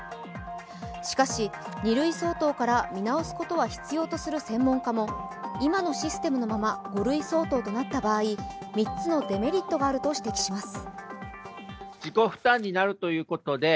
しかし、２類相当から見直すことが必要とする専門家から今のシステムのまま５類相当となった場合、３つのデメリットがあると指摘します。